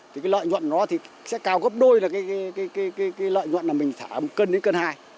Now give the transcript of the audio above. thì cái lợi nhuận nó thì sẽ cao gấp đôi là cái lợi nhuận là mình thả một cân đến cân hai